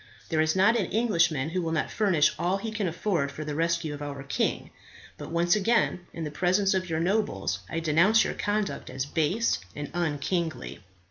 There is not an Englishman who will not furnish all he can afford for the rescue of our king. But once again, in the presence of your nobles, I denounce your conduct as base and unkingly."